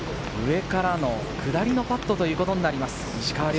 上からの下りのパットということになります、石川遼。